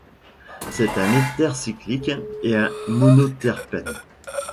C'est un éther cyclique et un monoterpène.